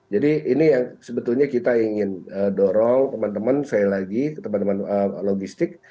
jadi ini yang sebetulnya kita ingin dorong teman teman logistik